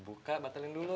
buka batalin dulu